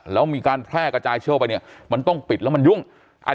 แล้วมีการแพร่กระจายเชื้อไปเนี่ยมันต้องปิดแล้วมันยุ่ง